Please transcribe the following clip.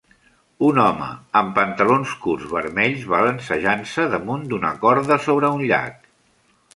Un home amb pantalons curts vermells balancejant-se damunt d'una corda sobre un llac